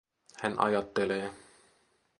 Hän ajattelee.